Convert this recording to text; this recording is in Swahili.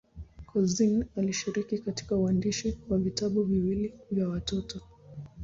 Couzyn alishiriki katika uandishi wa vitabu viwili vya watoto.